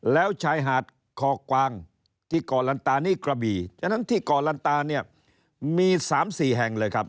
แล้วชายหาดคอกวางที่ก่อลันตานี่กระบี่ฉะนั้นที่ก่อลันตาเนี่ยมี๓๔แห่งเลยครับ